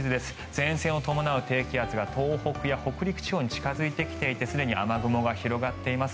前線を伴う低気圧が東北や北陸地方に近付いてきていてすでに雨雲が広がっています。